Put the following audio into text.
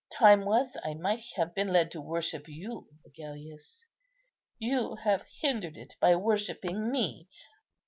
Time was I might have been led to worship you, Agellius; you have hindered it by worshipping me."